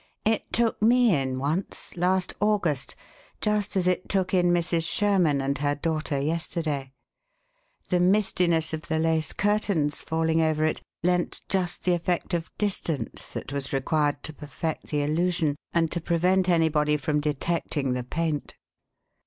"It took me in once last August just as it took in Mrs. Sherman and her daughter yesterday. The mistiness of the lace curtains falling over it lent just the effect of 'distance' that was required to perfect the illusion and to prevent anybody from detecting the paint.